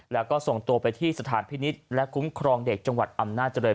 แล้วก็ส่งตัวไปที่สถานพินิษฐ์และคุ้มครองเด็กจังหวัดอำนาจริง